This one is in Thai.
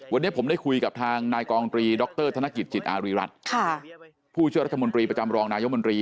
วันนี้ผมได้คุยกับทางนายกองตรีดรธนกิจจิตอารีรัฐผู้ช่วยรัฐมนตรีประจำรองนายมนตรี